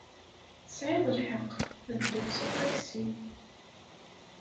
Tesɛiḍ lḥeqq. Ad dduɣ s uṭaksi.